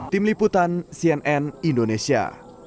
tim liputan cnn indonesia